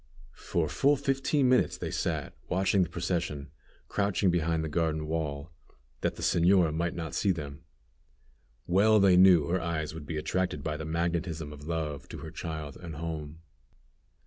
For full fifteen minutes they sat watching the procession, crouching behind the garden wall, that the señora might not see them. Well they knew her eyes would be attracted by the magnetism of love to her child and home.